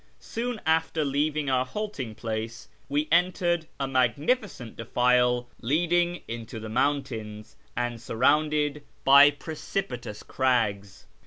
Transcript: Soon after leaving our halting place we entered a magnificent defile leading into the mountains and surrounded by precipitous crags.